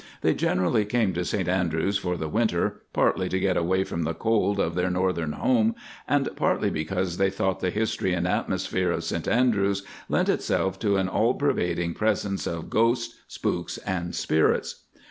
They generally came to St Andrews for the winter, partly to get away from the cold of their northern home, and partly because they thought the history and atmosphere of St Andrews lent itself to an all pervading presence of ghosts, spooks, and spirits.